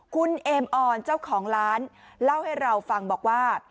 คุณเอมออนเจ้าของร้านเล่าให้เราฟังบอกว่า